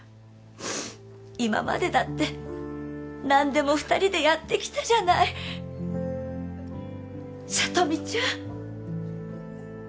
今までだって何でも２人でやってきたじゃない聡美ちゃん！